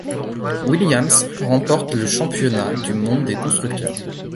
Williams remporte le championnat du monde des constructeurs.